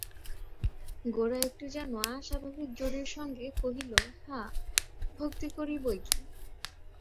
গোরা একটু যেন আস্বাভাবিক জোরের সঙ্গে কহিল, হাঁ, ভক্তি করি বৈকি।